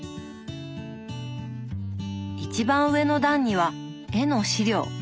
一番上の段には絵の資料。